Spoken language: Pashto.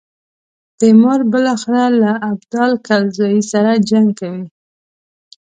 تیمور بالاخره له ابدال کلزايي سره جنګ کوي.